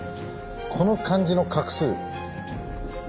この漢字の画数。